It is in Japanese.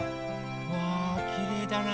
わあきれいだな。